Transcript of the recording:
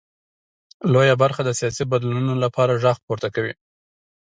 لویه برخه د سیاسي بدلونونو لپاره غږ پورته کوي.